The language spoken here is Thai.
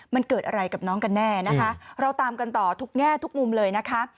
มันเกิดอะไรกับน้องกันแน่นะคะเราตามกันต่อทุกแง่ทุกมุมเลยนะคะ